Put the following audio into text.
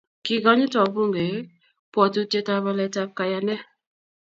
kikonyit wabungek bwotutietab waletab kayane.